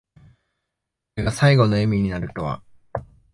これが最期の笑みになるとは。